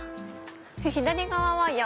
左側は山？